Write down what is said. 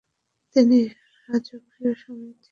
তিনি রাজকীয় সমিতির সভ্যপদে নির্বাচিত হন।